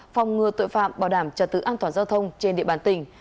phòng ngừa tội phạm bảo đảm trật tự an toàn giao thông trên địa bàn tỉnh